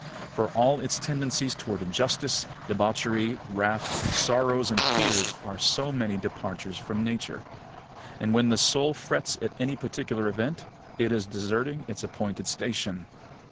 For all its tendencies towards injustice, debauchery, wrath, sorrows, and fears are so many departures from Nature. And, when the soul frets at any particular event, it is deserting its appointed station.